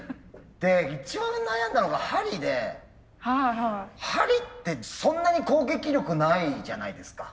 で一番悩んだのが針で針ってそんなに攻撃力ないじゃないですか。